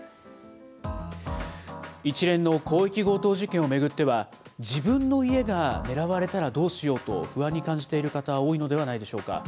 一連の広域強盗事件を巡っては、自分の家が狙われたらどうしようと不安に感じている方、多いのではないでしょうか。